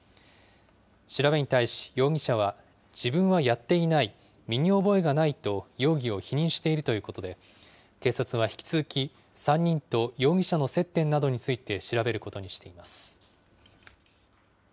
調べに対し、容疑者は、自分はやっていない、身に覚えがないと容疑を否認しているということで、警察は引き続き、３人と容疑者の接点などについて調べることにしています。